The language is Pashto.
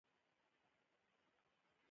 ته ولې غلی یې؟